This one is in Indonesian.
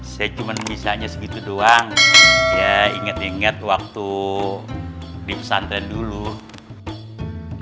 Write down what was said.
kalo yang namanya penipu harus cepat ditindak